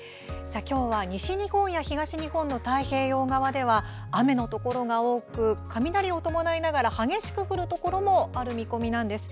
きょうは西日本や東日本の太平洋側では雨のところが多く雷を伴いながら、激しく降るところもある見込みです。